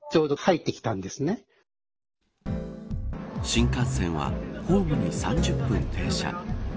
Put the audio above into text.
新幹線はホームに３０分停車。